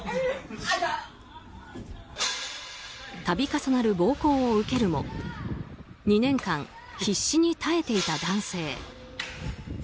度重なる暴行を受けるも２年間、必死に耐えていた男性。